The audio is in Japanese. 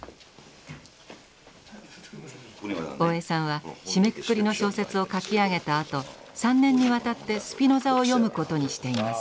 大江さんは締めくくりの小説を書き上げたあと３年にわたってスピノザを読むことにしています。